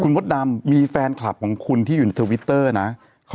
มดดำมีแฟนคลับของคุณที่อยู่ในทวิตเตอร์นะ